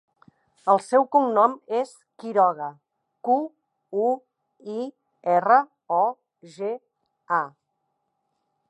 El seu cognom és Quiroga: cu, u, i, erra, o, ge, a.